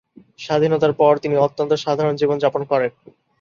স্বাধীনতার পর তিনি অত্যন্ত সাধারণ জীবন যাপন করেন।